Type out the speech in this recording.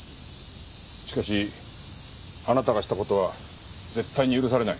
しかしあなたがした事は絶対に許されない。